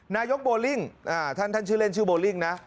นายกโบลิ่งท่านชื่อเล่นชื่อโบลิ่งนะ